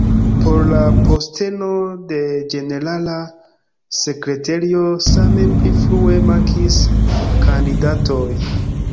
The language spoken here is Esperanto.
Por la posteno de ĝenerala sekretario same pli frue mankis kandidatoj.